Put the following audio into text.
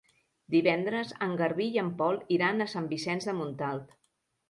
Divendres en Garbí i en Pol iran a Sant Vicenç de Montalt.